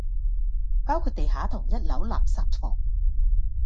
包括地下同一樓垃圾房